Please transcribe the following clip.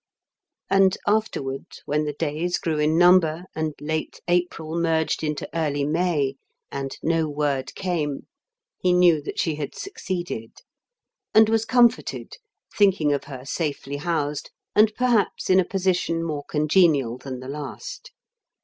And afterward, when the days grew in number and late April merged into early May and no word came, he knew that she had succeeded; and was comforted, thinking of her safely housed and perhaps in a position more congenial than the last.